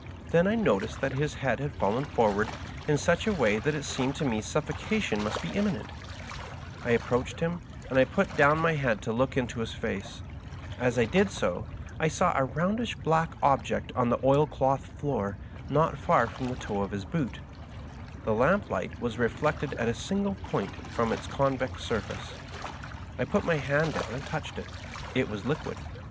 Then I noticed that his head had fallen forward in such a way that it seemed to me suffocation must be imminent. I Digitized by VjOOQIC MY FASCINATINQ FRIEND. 147 approached him, and put down my head to look into his face. As I did so I saw a roundish black object on the oil cloth floor not far from the toe of his boot. The lamp light was reflected at a single point from its convex surface. I put down my hand and touched it. It was liquid.